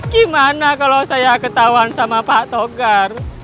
gimana kalau saya ketahuan sama pak togar